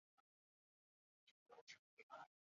归驷桥的历史年代为清。